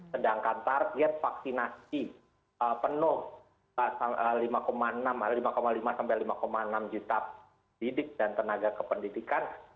sedangkan target vaksinasi penuh lima lima sampai lima enam juta didik dan tenaga kependidikan